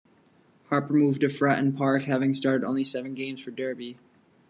Harper moved to Fratton Park having started only seven games for Derby.